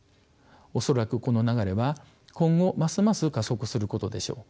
恐らくこの流れは今後ますます加速することでしょう。